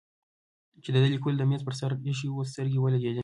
چې د ده د لیکلو د مېز پر سر ایښی و سترګې ولګېدې.